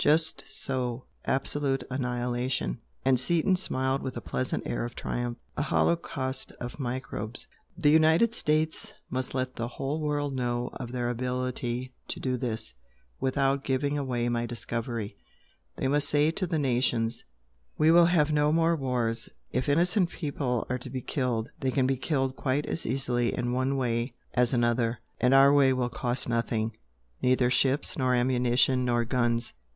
"Just so absolute annihilation!" and Seaton smiled with a pleasant air of triumph "A holocaust of microbes! The United States must let the whole world know of their ability to do this (without giving away my discovery). They must say to the nations 'We will have no more wars. If innocent people are to be killed, they can be killed quite as easily in one way as another, and our way will cost nothing neither ships nor ammunition nor guns.'